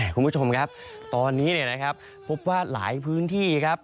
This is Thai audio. คุณผู้ชมครับตอนนี้นะครับพบว่าหลายพื้นที่ครับ